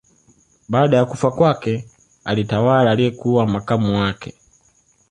Baada ya kufa kwake alitawala aliyekuwa makamu wake